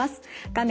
画面